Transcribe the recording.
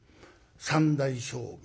三代将軍